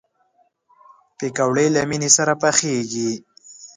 پکورې له مینې سره پخېږي